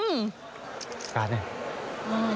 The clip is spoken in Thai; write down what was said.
ประกาศนี่